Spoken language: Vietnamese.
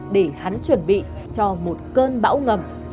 để hắn chuẩn bị cho một cơn bão ngầm